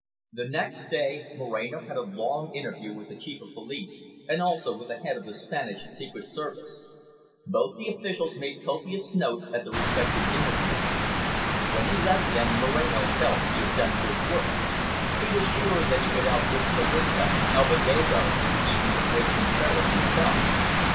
The next day Moreno had a long interview with the Chief of Police, and also with the Head of the Spanish Secret Service. Both the officials made copious notes at the respective interviews. When he left them Moreno felt he had done good work. He was sure that he could outwit Zorrilta, Alvedero, even the great Contraras himself.